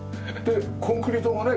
コンクリートがね